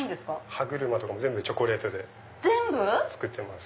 歯車とかも全部チョコレートで作ってます。